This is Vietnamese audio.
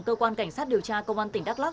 cơ quan cảnh sát điều tra công an tỉnh đắk lắc